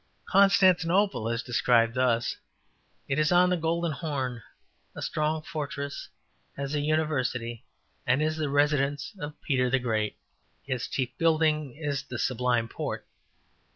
'' Constantinople is described thus: ``It is on the Golden Horn; a strong fortress; has a University, and is the residence of Peter the Great. Its chief building is the Sublime Port.''